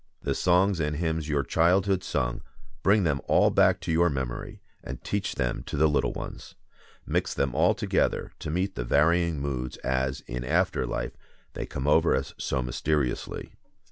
The songs and hymns your childhood sung, bring them all back to your memory; and teach them to the little ones. Mix them all together, to meet the varying moods as, in after life, they come over us so mysteriously.